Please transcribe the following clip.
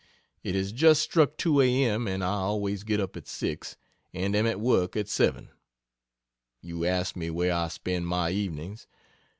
(It has just struck 2 A.M. and I always get up at 6, and am at work at 7.) You ask me where I spend my evenings.